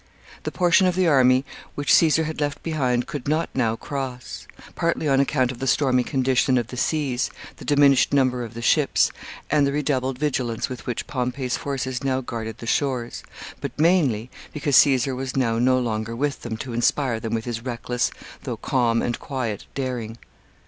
The portion of the army which Caesar had left behind could not now cross, partly on account of the stormy condition of the seas, the diminished number of the ships, and the redoubled vigilance with which Pompey's forces now guarded the shores, but mainly because Caesar was now no longer with them to inspire them with his reckless, though calm and quiet daring.